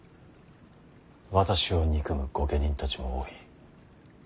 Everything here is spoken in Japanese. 私を憎む御家人たちも多い。